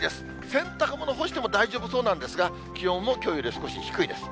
洗濯物干しても大丈夫そうなんですが、気温もきょうより少し低いです。